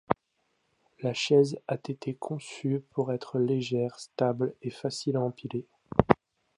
La chaise a été conçue pour être légère, stable et facile à empiler.